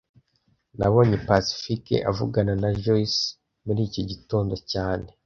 Nabonye Pacifique avugana na Joyce muri iki gitondo cyane